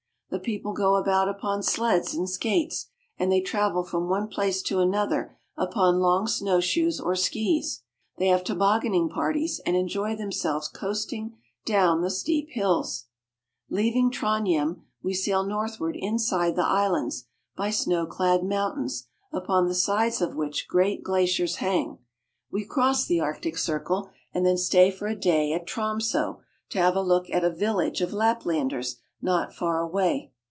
The people go about upon sleds and skates, and they travel from one place to another upon long snowshoes or skis. They have tobogganing parties, and enjoy themselves coasting down the steep hills. Leaving Trondhjem, we sail northward inside the islands, by snow clad mountains, upon the sides of which WHERE THE SUN SHINES AT MIDNIGHT. 169 great glaciers hang. We cross the Arctic Circle, and then stay for a day at Tromso to have a look at a village of Laplanders not far away.